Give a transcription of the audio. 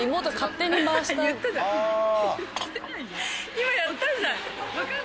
今言ったじゃん！